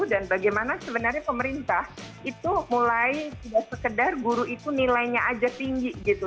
dan bagaimana sebenarnya pemerintah itu mulai tidak sekedar guru itu nilainya aja tinggi gitu